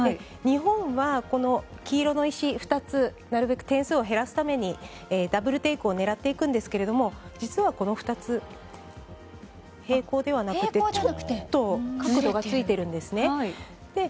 日本は黄色の石２つなるべく点数を減らすためにダブルテイクを狙っていくんですけれども実はこの２つ、平行ではなくてちょっと角度がついています。